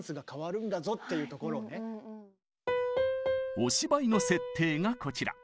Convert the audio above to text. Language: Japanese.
お芝居の設定がこちら。